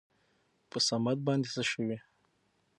په صمد باندې څه شوي ؟